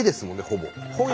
ほぼ。